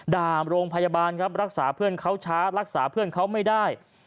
โรงพยาบาลครับรักษาเพื่อนเขาช้ารักษาเพื่อนเขาไม่ได้